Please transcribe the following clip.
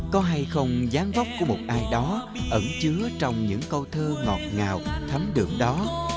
có hay không gián vóc của một ai đó ẩn chứa trong những câu thơ ngọt ngào thấm được đó